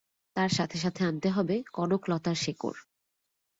তার সাথে সাথে আনতে হবে, কনকলতার শেকড়।